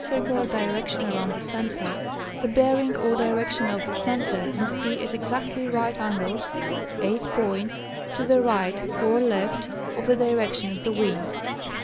circular direction around the center, the bearing or direction of the center must be at exactly right angles (eight points) to the right (or left) of the direction of the wind.